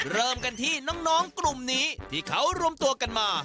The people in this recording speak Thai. เริ่มกันที่น้องกลุ่มนี้ที่เขารวมตัวกันมา